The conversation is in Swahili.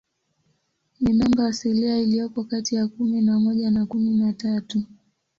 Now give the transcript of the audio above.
Ni namba asilia iliyopo kati ya kumi na moja na kumi na tatu.